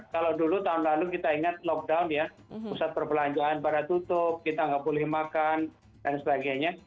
kalau dulu tahun lalu kita ingat lockdown ya pusat perbelanjaan pada tutup kita nggak boleh makan dan sebagainya